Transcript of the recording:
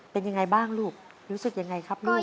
เป็นยังไงบ้างลูกรู้สึกยังไงครับลูก